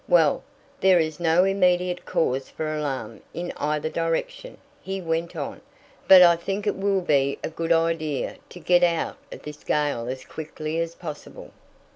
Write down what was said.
"Well, there is no immediate cause for alarm in either direction," he went on, "but I think it will be a good idea to get out of this gale as quickly as possible."